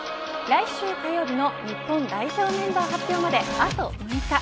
来週火曜日の日本代表メンバー発表まであと６日。